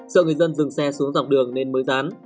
sợ người dân dừng xe xuống dọc đường nên mới dán